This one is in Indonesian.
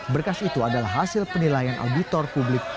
berkas itu adalah hasil penilaian auditor publik